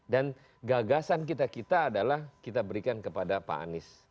dan gagasan kita kita adalah kita berikan kepada pak anies